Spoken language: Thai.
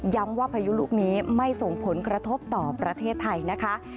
ว่าพายุลูกนี้ไม่ส่งผลกระทบต่อประเทศไทยนะคะ